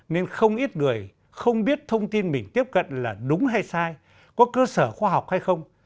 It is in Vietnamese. nên không ít người không biết thông tin mình tiếp cận là đúng hay sai có cơ sở khoa học hay không